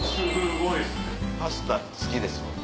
パスタ好きですもんね。